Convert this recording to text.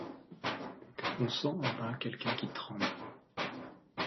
On sent en bas quelqu’un qui tremble ;